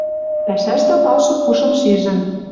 Пӓшӓштӹ палшык пушым шижӹн: